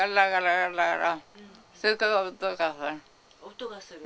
音がする。